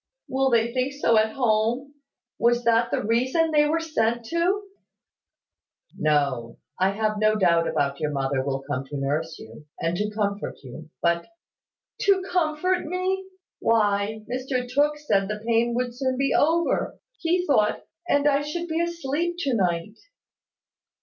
"Will they think so at home? Was that the reason they were sent to?" "No: I have no doubt your mother will come to nurse you, and to comfort you: but " "To comfort me? Why, Mr Tooke said the pain would soon be over, he thought, and I should be asleep to night."